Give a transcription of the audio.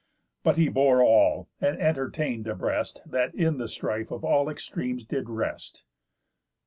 But he bore all, and entertain'd a breast That in the strife of all extremes did rest.